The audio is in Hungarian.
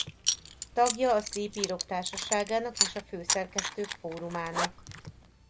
Tagja a Szépírók Társaságának és a Főszerkesztők Fórumának.